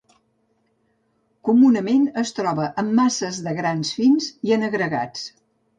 Comunament es troba en masses de grans fins i en agregats.